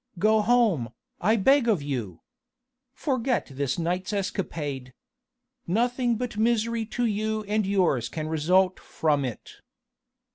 Go home, I beg of you! Forget this night's escapade! Nothing but misery to you and yours can result from it."